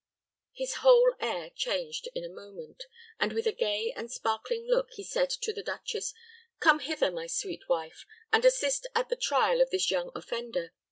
His whole air changed in a moment; and, with a gay and sparkling look, he said to the duchess, "Come hither, my sweet wife, and assist at the trial of this young offender.